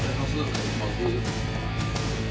お願いします。